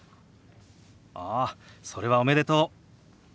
ああそれはおめでとう！